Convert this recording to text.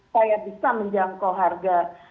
saya bisa menjangkau harga